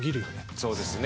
そうですね。